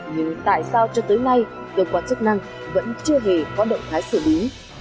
nhưng tại sao cho tới nay cơ quan chức năng vẫn chưa hề có động thái xử lý